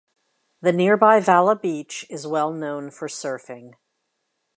The nearby Valla Beach is well known for surfing.